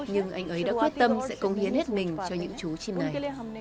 nhưng anh ấy đã quyết tâm sẽ công hiến hết mình cho những chú chim này